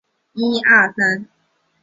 鱼体和头部遍布许多红斑点。